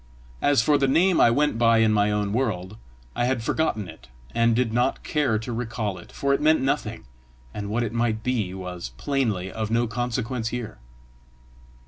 As for the name I went by in my own world, I had forgotten it, and did not care to recall it, for it meant nothing, and what it might be was plainly of no consequence here.